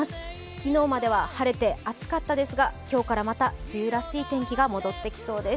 昨日までは晴れて暑かったですが今日からまた梅雨らしい天気が戻ってきそうです。